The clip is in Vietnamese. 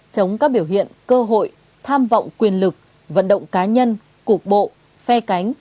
chống các biểu hiện cơ hội tham vọng quyền lực vận động cá nhân cục bộ phe cánh